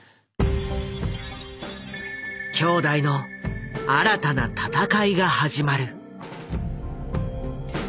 兄弟の新たな戦いが始まる。